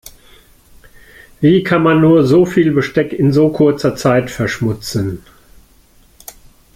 Wie kann man nur so viel Besteck in so kurzer Zeit verschmutzen?